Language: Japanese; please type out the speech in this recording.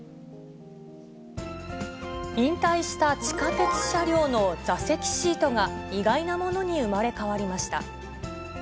引退した地下鉄車両の座席シートが、意外なものに生まれ変わりました。